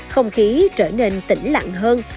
không khí trở nên tỉnh lặn hơn